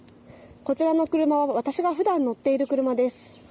こちらの車は私がふだん乗っている車です。